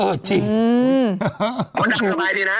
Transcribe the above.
เออจริงคนดังสบายดีนะ